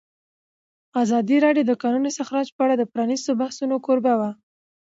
ازادي راډیو د د کانونو استخراج په اړه د پرانیستو بحثونو کوربه وه.